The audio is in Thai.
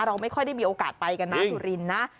เราไม่ค่อยได้มีโอกาสไปกันนะสุรินทร์นะ